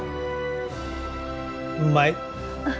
うまい。